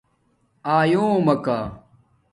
آیلومݳکہ